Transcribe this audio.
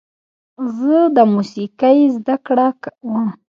زه د موسیقۍ زده کړه کوم.